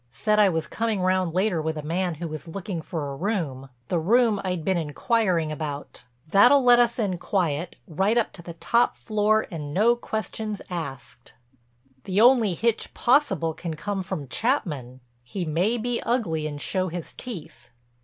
Said I was coming round later with a man who was looking for a room—the room I'd been inquiring about. That'll let us in quiet; right up to the top floor and no questions asked." "The only hitch possible can come from Chapman—he may be ugly and show his teeth."